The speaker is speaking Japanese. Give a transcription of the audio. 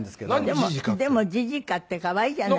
でもジジカって可愛いじゃない。